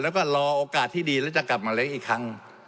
แล้วก็รอโอกาสที่ดีแล้วจะกลับมาเล็กอีกครั้ง